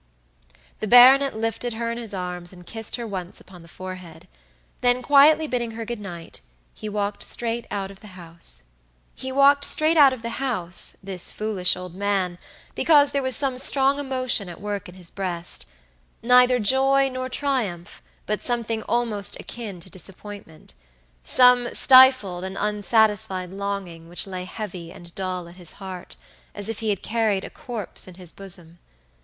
The baronet lifted her in his arms and kissed her once upon the forehead, then quietly bidding her good night, he walked straight out of the house. He walked straight out of the house, this foolish old man, because there was some strong emotion at work in his breastneither joy nor triumph, but something almost akin to disappointmentsome stifled and unsatisfied longing which lay heavy and dull at his heart, as if he had carried a corpse in his bosom.